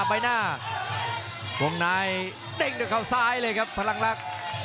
กลับไปหน้าวงนายเดิ้งตัวเข้าสายเลยครับพลังรัก